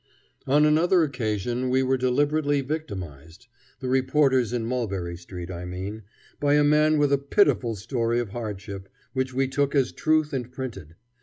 On another occasion we were deliberately victimized the reporters in Mulberry Street, I mean by a man with a pitiful story of hardship, which we took as truth and printed.